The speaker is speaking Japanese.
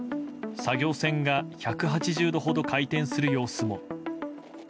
作業船が１８０度ほど回転する様子も。